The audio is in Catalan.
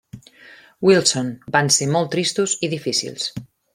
Wilson, van ser molt tristos i difícils.